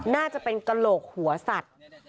น่าจะเป็นกระโหลกหัวสัตว์